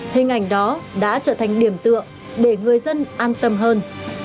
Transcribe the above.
hình ảnh đó đã trở thành điểm tựa để người dân an tâm hơn